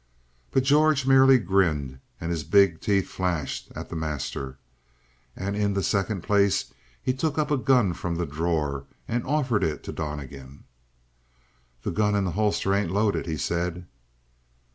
But George merely grinned, and his big teeth flashed at the master. And in the second place he took up a gun from the drawer and offered it to Donnegan. "The gun in that holster ain't loaded," he said.